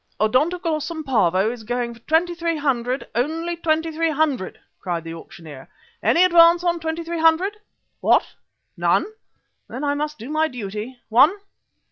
"'Odontoglossum Pavo' is going for twenty three hundred, only twenty tree hundred," cried the auctioneer. "Any advance on twenty three hundred? What? None? Then I must do my duty. One.